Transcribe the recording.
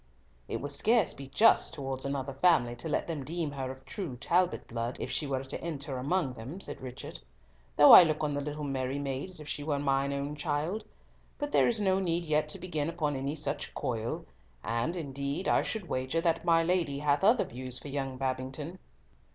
"It would scarce be just towards another family to let them deem her of true Talbot blood, if she were to enter among them," said Richard; "though I look on the little merry maid as if she were mine own child. But there is no need yet to begin upon any such coil; and, indeed, I would wager that my lady hath other views for young Babington."